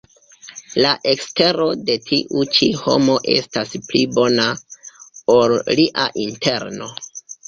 La ekstero de tiu ĉi homo estas pli bona, ol lia interno.